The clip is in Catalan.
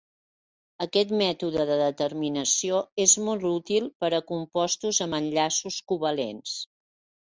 Aquest mètode de determinació és molt útil per a compostos amb enllaços covalents.